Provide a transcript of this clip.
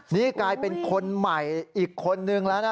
นี่กลายเป็นคนใหม่อีกคนนึงแล้วนะ